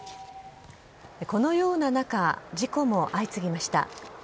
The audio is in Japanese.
このような中事故も相次ぎました。